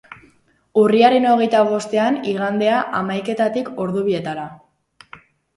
Urriaren hogeita bostean, igandea, hamaiketatik ordu bietara.